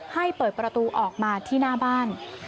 ให้เปิดประตูออกมาที่หน้าบ้าน